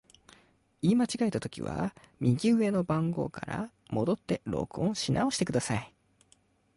言い間違えたときは、右上の番号から戻って録音し直してください。